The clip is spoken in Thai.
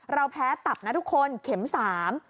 เราแพ้ตับนะทุกคนเข็มสาม